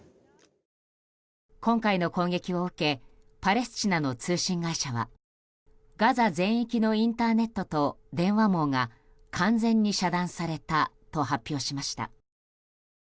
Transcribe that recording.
今回の攻撃を受けパレスチナの通信会社はガザ全域のインターネットと電話網が完全に遮断されたと発表しました。